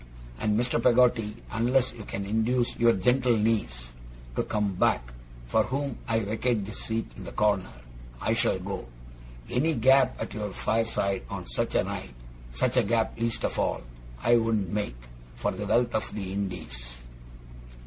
and Mr. Peggotty, unless you can induce your gentle niece to come back (for whom I vacate this seat in the corner), I shall go. Any gap at your fireside on such a night such a gap least of all I wouldn't make, for the wealth of the Indies!